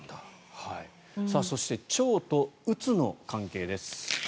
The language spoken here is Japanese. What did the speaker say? そして腸とうつの関係です。